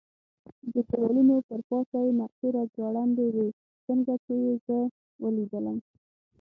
د دېوالونو پر پاسه یې نقشې را ځوړندې وې، څنګه چې یې زه ولیدلم.